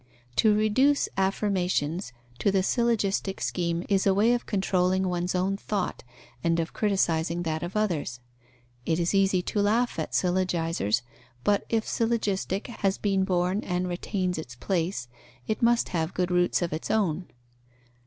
To reduce affirmations to the syllogistic scheme is a way of controlling one's own thought and of criticizing that of others. It is easy to laugh at syllogisers, but, if syllogistic has been born and retains its place, it must have good roots of its own.